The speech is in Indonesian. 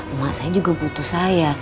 rumah saya juga butuh saya